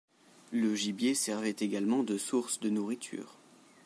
Le gibier servait également de source de nourriture.